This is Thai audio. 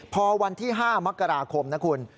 พอวันที่๕มนะคุณ